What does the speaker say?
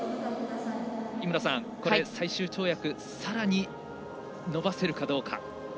最終跳躍さらに伸ばせるかどうか。